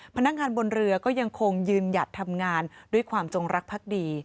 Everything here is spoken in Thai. พนักงานบนเรือก็ยังคงยืนหยัดทำงานด้วยความจงรักพักดี